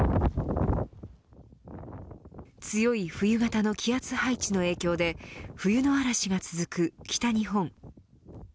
強い冬型の気圧配置の影響で冬の嵐が続く北日本。